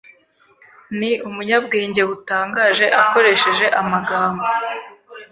ni umunyabwenge butangaje akoresheje amagambo